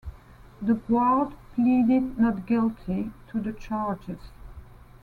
The guard pleaded not guilty to the charges.